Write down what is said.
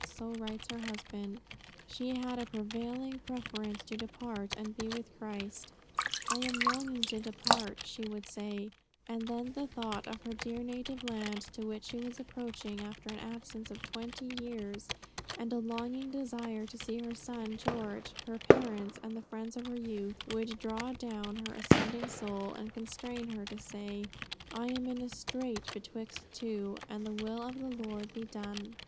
So writes her husband: "She had a prevailing preference to depart and be with Christ. I am longing to depart! she would say; and then the thought of her dear native land, to which she was approaching after an absence of twenty years, and a longing desire to see her son George, her parents, and the friends of her youth, would draw down her ascending soul, and constrain her to say, 'I am in a strait betwixt two; the will of the Lord be done.'